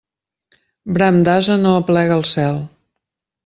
Bram d'ase no aplega al cel.